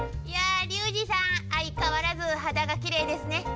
いやリュウジさん相変わらず肌がきれいですね！